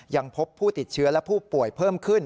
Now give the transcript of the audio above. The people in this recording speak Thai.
ยังพบผู้ติดเชื้อและผู้ป่วยเพิ่มขึ้น